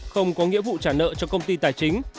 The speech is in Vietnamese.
không có nghĩa vụ trả nợ cho công ty tài chính